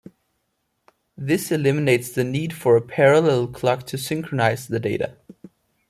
This eliminates the need for a parallel clock to synchronize the data.